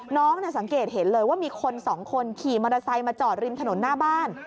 สังเกตเห็นเลยว่ามีคนสองคนขี่มอเตอร์ไซค์มาจอดริมถนนหน้าบ้าน